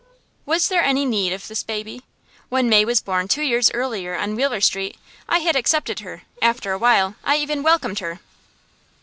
Was there any need of this baby? When May was born, two years earlier, on Wheeler Street, I had accepted her; after a while I even welcomed her.